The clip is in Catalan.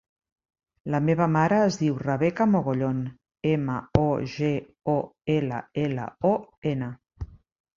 La meva mare es diu Rebeca Mogollon: ema, o, ge, o, ela, ela, o, ena.